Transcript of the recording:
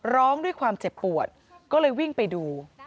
ร้องด้วยความเจ็บปวดก็เลยวิ่งไปดู